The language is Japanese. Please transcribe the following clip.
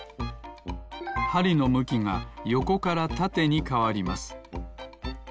はりのむきがよこからたてにかわります。